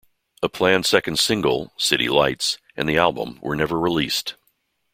A planned second single, "City Lights", and the album were never released.